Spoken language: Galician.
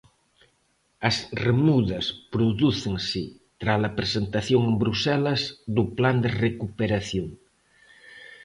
As remudas prodúcense tras a presentación en Bruxelas do plan de recuperación.